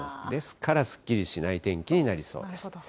ですからすっきりしない天気になりそうです。